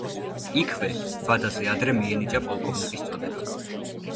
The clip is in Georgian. იქვე ვადაზე ადრე მიენიჭა პოლკოვნიკის წოდება.